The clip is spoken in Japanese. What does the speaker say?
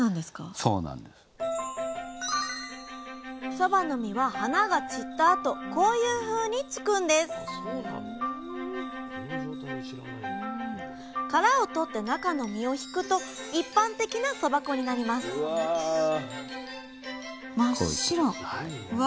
そばの実は花が散ったあとこういうふうに付くんです殻を取って中の実をひくと一般的なそば粉になりますえ